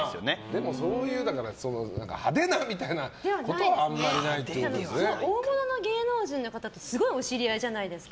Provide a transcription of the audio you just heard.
でも、そういう派手なみたいなことは大物の芸能人の方とすごいお知り合いじゃないですか。